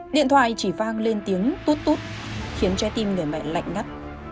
điện thoại chỉ vang lên tiếng tuốt tút khiến trái tim người mẹ lạnh ngắt